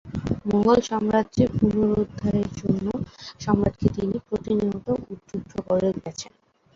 মোগল সাম্রাজ্য পুনরুদ্ধারের জন্য সম্রাটকে তিনি প্রতিনিয়ত উদ্বুদ্ধ করে গেছেন।